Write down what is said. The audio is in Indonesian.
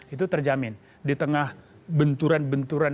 itu terjamin di tengah benturan benturan